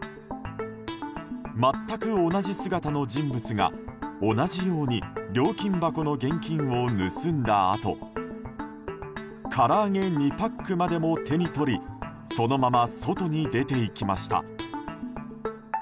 全く同じ姿の人物が同じように料金箱の現金を盗んだあとから揚げ２パックまでも手に取りそのまま外に出ていきました。